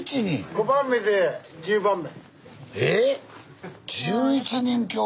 ５番目で１０番目。